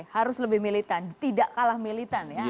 harus lebih militan tidak kalah militan ya